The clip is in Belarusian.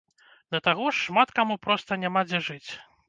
Да таго ж, шмат каму проста няма дзе жыць.